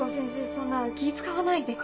そんな気使わないで。